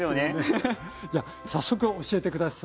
じゃあ早速教えて下さい。